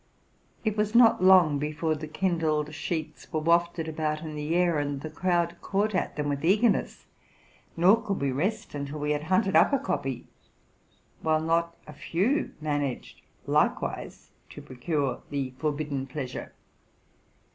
It was not long before the kindled sheets were wafted about in the air, and the crowd caught at them with eagerness. Nor could we rest until we had hunted up a copy, while not a few managed likewise to procure the forbidden pleasure.